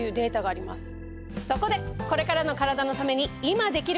そこでこれからのカラダのために今できること！